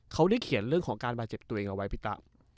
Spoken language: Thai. เขาได้เขียนเรื่องของการบาดเจ็บตัวเองเอาไว้พี่ตะ